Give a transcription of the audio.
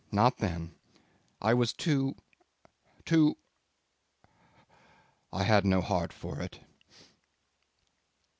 Not then. I was too too ... I had no heart for it."